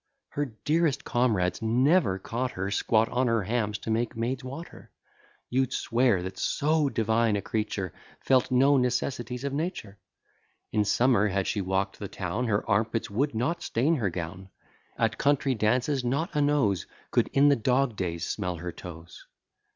Her dearest comrades never caught her Squat on her hams to make maid's water: You'd swear that so divine a creature Felt no necessities of nature. In summer had she walk'd the town, Her armpits would not stain her gown: At country dances, not a nose Could in the dog days smell her toes.